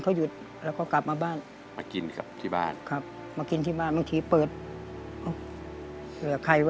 เกิดคิดกินกาแฟแก้วเดียว